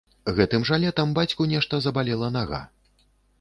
Гэтым жа летам бацьку нешта забалела нага.